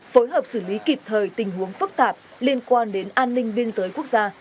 phối hợp xử lý kịp thời tình huống phức tạp liên quan đến an ninh biên giới quốc gia